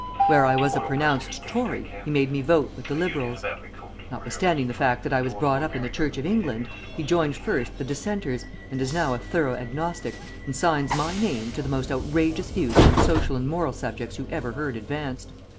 "Where I was a pronounced Tory he has made me vote with the Liberals. Notwithstanding the fact that I was brought up in the Church of England, he joined first the dissenters and is now a thorough agnostic, and signs my name to the most outrageous views on social and moral subjects you ever heard advanced.